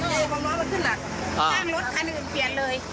คือคือความร้อนมันขึ้นน่ะอ่าจ้างรถคันอื่นอื่นเปลี่ยนเลย